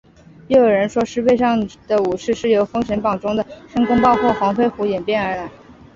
又有人说是狮背上的武士是由封神榜中的申公豹或黄飞虎演变而来。